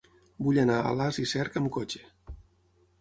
Vull anar a Alàs i Cerc amb cotxe.